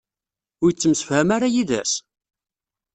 Ur yettemsefham ara yid-s?